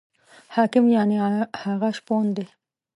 حاکم یعنې هغه شپون دی.